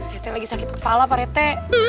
siti lagi sakit kepala pak rete